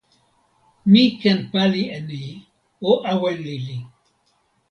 mi ken pali e ni. o awen lili.